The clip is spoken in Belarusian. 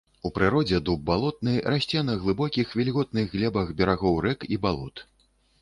У прыродзе дуб балотны расце на глыбокіх, вільготных глебах берагоў рэк і балот.